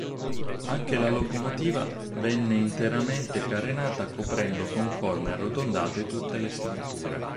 Anche la locomotiva venne interamente carenata coprendo con forme arrotondate tutte le strutture.